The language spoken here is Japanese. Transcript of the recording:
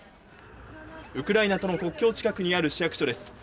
ウクライナとの国境近くにある市役所です。